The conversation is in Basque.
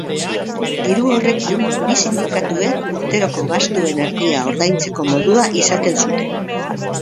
Diru horrekin, bi sindikatuek urteroko gastuen erdia ordaintzeko modua izaten zuten.